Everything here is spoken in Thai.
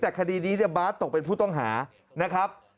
แต่คดีนี้เนี่ยบาร์ดตกเป็นผู้ต้องหานะครับ